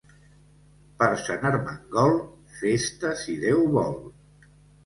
Per Sant Ermengol, festa si Déu vol.